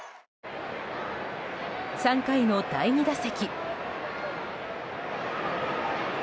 ３回の第２打席。